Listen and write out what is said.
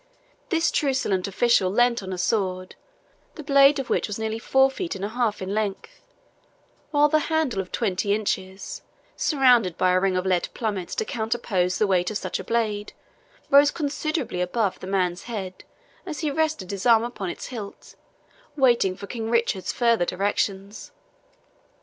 This truculent official leant on a sword, the blade of which was nearly four feet and a half in length, while the handle of twenty inches, surrounded by a ring of lead plummets to counterpoise the weight of such a blade, rose considerably above the man's head as he rested his arm upon its hilt, waiting for King Richard's further directions.